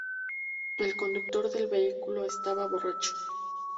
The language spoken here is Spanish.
El conductor del vehículo estaba borracho.